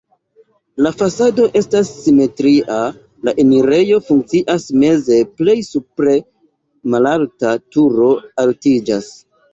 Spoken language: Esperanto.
La fasado estas simetria, la enirejo funkcias meze, plej supre malalta turo altiĝas.